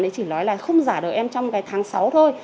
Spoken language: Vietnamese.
chỉ nói là không giả được em trong cái tháng sáu thôi